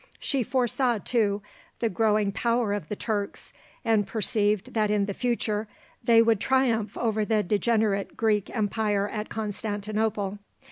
She foresaw, too, the growing power of the Turks, and perceived that in the future they would triumph over the degenerate Greek empire at Constantinople.